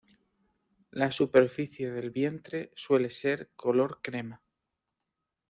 La superficie del vientre suele ser color crema.